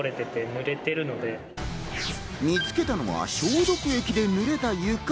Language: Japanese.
見つけたのは消毒液で濡れた床。